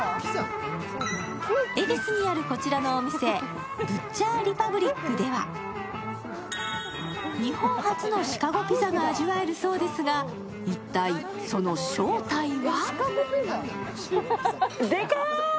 恵比寿にあるこちらのお店、ブッチャーリパブリックでは日本初のシカゴピザが味わえるそうですが、一体その正体は？